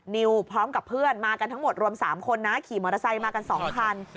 นิวพร้อมกับเพื่อนมากันทั้งหมดรวม๓คนนะขี่มอเตอร์ไซค์มากัน๒คัน